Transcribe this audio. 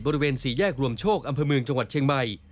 บริเวณสี่แยกรวมโชคอำเภอเมืองจังหวัดเชียงใหม่